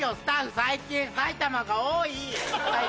最近埼玉が多い！